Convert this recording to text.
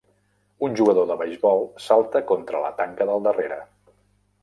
Un jugador de beisbol salta contra la tanca del darrere.